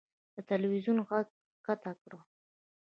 د تلوېزون ږغ کښته کړه .